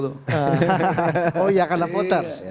oh ya karena puter